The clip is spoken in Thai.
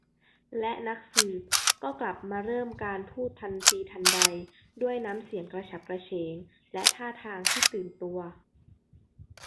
และนักสืบก็กลับมาเริ่มการพูดทันทีทันใดด้วยน้ำเสียงกระฉับกระเฉงและท่าทางที่ตื่นตัว